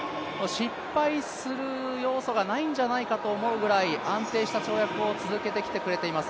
失敗する要素がないんじゃないかと思うぐらい、安定した跳躍を続けてきてくれています。